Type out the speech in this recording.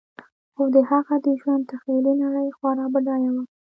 خو د هغه د ژوند تخیلي نړۍ خورا بډایه وه